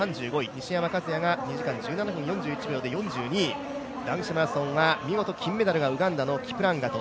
西山和弥が２時間１７分４１秒で４２位男子マラソンは見事金メダルがウガンダのキプランガト。